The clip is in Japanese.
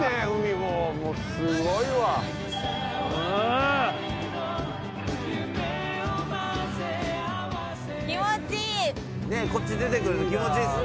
もうすごいわ・ねぇこっち出てくると気持ちいいですね。